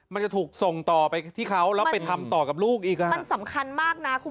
มันจะถูกส่งต่อไปที่เขาแล้วไปทำต่อกับลูกอีกอ่ะ